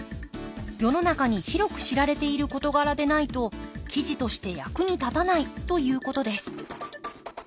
世の中に広く知られている事柄でないと記事として役に立たないということです。